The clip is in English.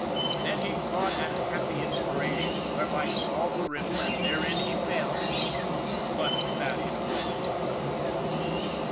Then he caught at a happy inspiration whereby to solve the riddle, and therein he fell but of that in a moment.